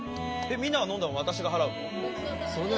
みんなが飲んだの私が払うの？